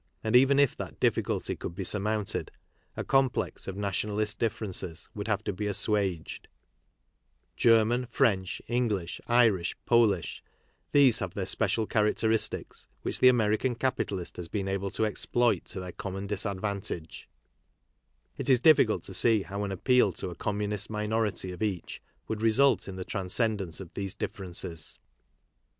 And even if that difficulty could be surmounted, a com plex of nationalist differences would have to be assuaged German, French, English, Irish, Polish, these have their special characteristics which the American capital ist has been able to exploit to their common dis advantage; it is difficult to see how an appeal to a communist minority of each would result in the trans cendence of these differences.